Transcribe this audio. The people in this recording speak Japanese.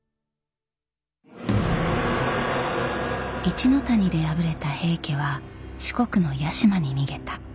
一ノ谷で敗れた平家は四国の屋島に逃げた。